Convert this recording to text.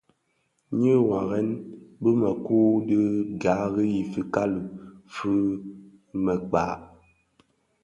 Nyi waren bi měkure dhi gari yi fikali fi měkpa.